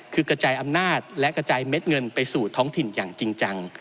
คือกระจายอำนาจและกระจายเม็ดเงินไปสู่ท้องถิ่นอย่างจริงจัง